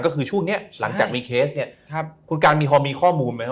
คือช่วงเนี้ยหลังจากมีเคสคุณกรางดิวมีข้อมูลไหมครับ